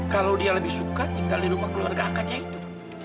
kalau dia lebih suka tinggal di rumah keluarga angkatnya itu